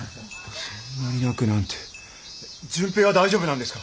そんなに泣くなんて純平は大丈夫なんですか！？